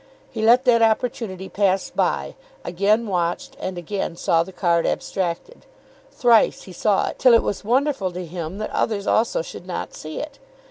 He let that opportunity pass by, again watched, and again saw the card abstracted. Thrice he saw it, till it was wonderful to him that others also should not see it.